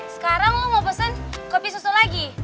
sekarang mau pesen kopi susu lagi